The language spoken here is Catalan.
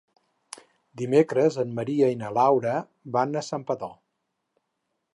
Dimecres en Maria i na Laura van a Santpedor.